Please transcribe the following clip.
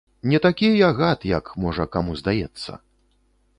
Не такі я гад, як, можа, каму здаецца.